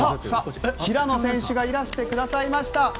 さあ、平野選手がいらしてくださいました。